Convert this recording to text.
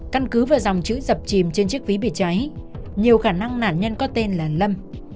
căn cứ vào dòng chữ dập chìm trên chiếc ví bị cháy nhiều khả năng nạn nhân có tên là lâm